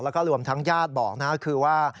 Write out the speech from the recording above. แล้วก็รวมทั้งญาติบอกนะคือว่า